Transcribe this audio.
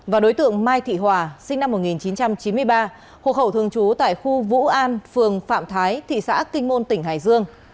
và đối tượng mai thị hòa sinh năm một nghìn chín trăm chín mươi ba hộ khẩu thường trú tại khu vũ an phường phạm thái thị xã kinh môn tỉnh hải dương